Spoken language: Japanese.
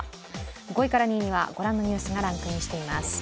５位から２位にはご覧のニュースがランクインしています。